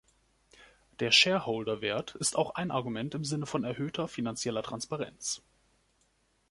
Der Shareholder-Wert ist auch ein Argument im Sinne von erhöhter finanzieller Transparenz.